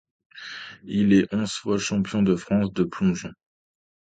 Il est onze fois champion de France de plongeon.